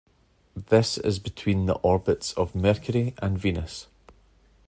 This is between the orbits of Mercury and Venus.